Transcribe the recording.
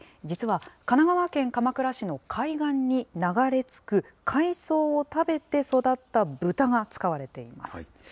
実は、神奈川県鎌倉市の海岸に流れ着く海藻を食べて育った豚が使われています。